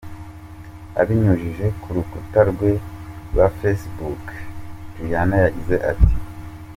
Abinyujije ku rukuta rwe rwa Facebook, Juliana yagize ati:.